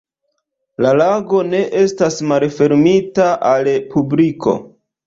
La lago ne estas malfermita al publiko.